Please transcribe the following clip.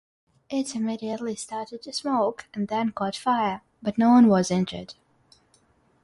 It immediately started to smoke and then caught fire, but no one was injured.